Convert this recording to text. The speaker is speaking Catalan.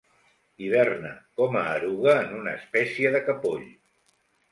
Hiberna com a eruga en una espècie de capoll.